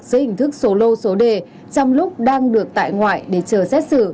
dưới hình thức số lô số đề trong lúc đang được tại ngoại để chờ xét xử